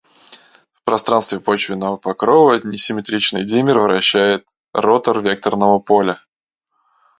в пространстве почвенного покрова, несимметричный димер вращает ротор векторного поля.